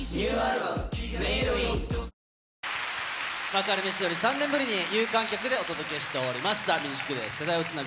幕張メッセより３年ぶりに有観客でお届けしております。